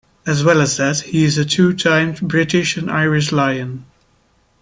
As well as that, he is a two time British and Irish Lion.